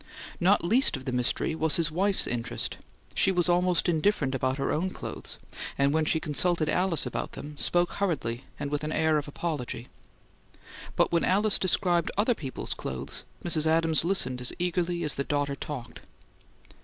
Not the least of the mystery was his wife's interest: she was almost indifferent about her own clothes, and when she consulted Alice about them spoke hurriedly and with an air of apology; but when Alice described other people's clothes, Mrs. Adams listened as eagerly as the daughter talked.